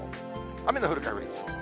雨の降る確率。